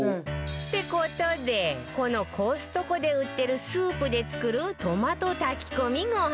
って事でこのコストコで売ってるスープで作るトマト炊き込みご飯